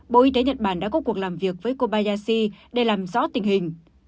bộ y tế nhật bản đã có cuộc làm việc với kobayashi để làm rõ tình hình